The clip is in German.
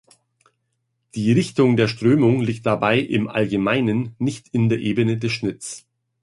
Die Richtung der Strömung liegt dabei im Allgemeinen nicht in der Ebene des Schnitts.